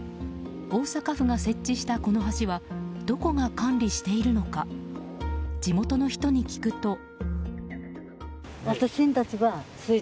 大阪府が設置した、この橋はどこが管理しているのか地元の人に聞くと。